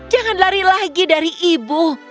jangan lari lagi dari ibu